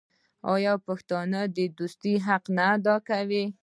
آیا پښتون د دوستۍ حق ادا نه کوي؟